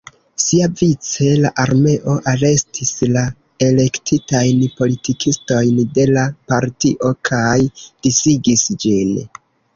Siavice, la armeo arestis la elektitajn politikistojn de la partio kaj disigis ĝin.